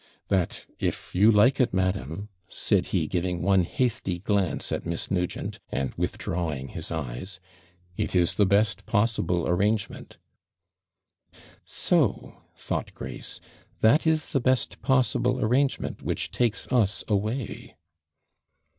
'That if you like it, madam,' said he, giving one hasty glance at Miss Nugent, and withdrawing his eyes, 'it is the best possible arrangement.' 'So,' thought Grace, 'that is the best possible arrangement which takes us away.'